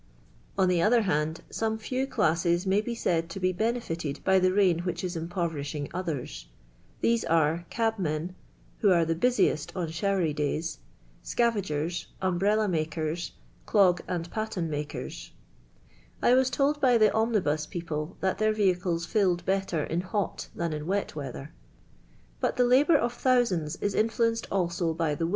On ilie other hind, >ome few classes may be Slid to h' liMH iited by the rain which is im jM)v»'ri !iin;f iith' r. *: these are cabmen (who are the l.ii :"Si on ah^i.r. y,/ days), scavairers, umhrella mak I . «i«»u' and patien maker.'. 1 was told by thf i»iinil):i"j pi'')])le that their vehicles tilled belter in li'i: t .an in wot weather. But til" labour of thousands is influenced also by til.